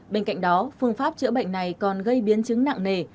bên cạnh đó phương pháp chữa bệnh này còn gây biến chứng nặng nề